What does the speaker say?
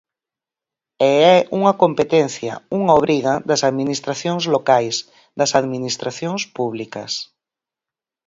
E é unha competencia, unha obriga, das administracións locais, das administracións públicas.